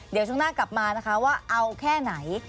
เดี๋ยวช่วงหน้ากลับมานะคะว่าเอาแค่ไหน